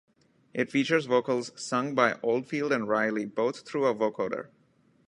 It features vocals sung by Oldfield and Reilly, both through a vocoder.